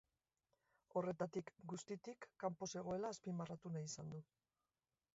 Horretatik guztitik kanpo zegoela azpimarratu nahi izan du.